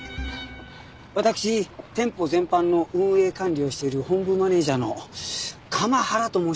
私店舗全般の運営管理をしている本部マネージャーの釜原と申します。